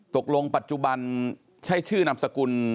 ตกลงปัจจุบันใช้ชื่อนามสกุล